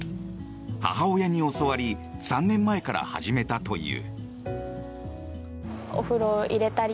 母親に教わり３年前から始めたという。